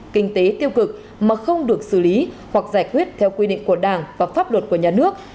kinh tế tiêu cực mà không được xử lý hoặc giải quyết theo quy định của đảng và pháp luật của nhà nước